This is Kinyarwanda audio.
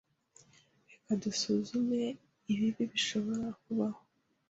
Reka dusuzume ibibi bishobora kubaho.